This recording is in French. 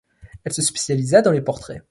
Il se spécialisa dans les portraits.